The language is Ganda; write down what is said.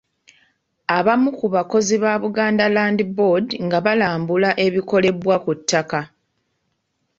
Abamu ku bakozi ba Buganda Land Board nga balambula ebikolebwa ku ttaka.